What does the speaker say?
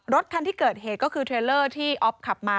รถคันที่เกิดเหตุก็คือเทรลเลอร์ที่ออฟขับมา